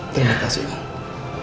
terima kasih om